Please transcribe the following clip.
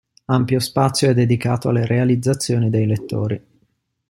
Ampio spazio è dedicato alle realizzazioni dei lettori.